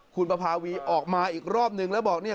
คุณปภาวีออกมาอีกรอบนึงแล้วบอกเนี่ย